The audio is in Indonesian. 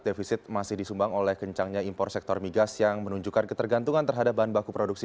defisit masih disumbang oleh kencangnya impor sektor migas yang menunjukkan ketergantungan terhadap bahan baku produksi